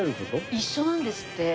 一緒なんですって。